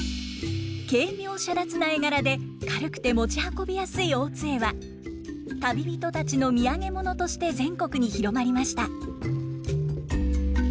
軽妙洒脱な絵柄で軽くて持ち運びやすい大津絵は旅人たちの土産物として全国に広まりました。